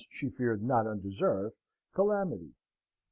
she feared not undeserved) calamity.